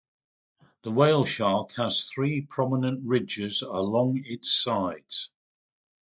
The whale shark has three prominent ridges along its sides.